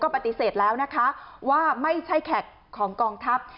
ปฏิเสธแล้วนะคะว่าไม่ใช่แขกของกองทัพ